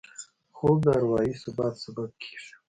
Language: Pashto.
خوب د اروايي ثبات سبب کېږي